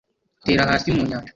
Tera hasi mu nyanja